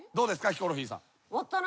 ヒコロヒーさん。